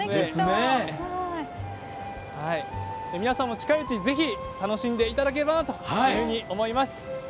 皆さんも近いうちに楽しんでいただければなと思います。